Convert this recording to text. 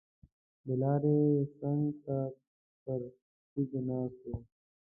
د لارې څنګ ته پر تیږو ناست وو.